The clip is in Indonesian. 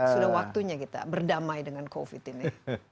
sudah waktunya kita berdamai dengan covid ini